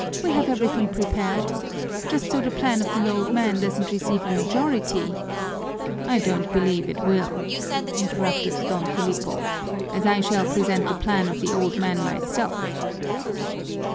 "We have everything prepared. Just so the plan of the old men doesn't receive a majority " "I don't believe it will," interrupted Don Filipo, "as I shall present the plan of the old men myself!"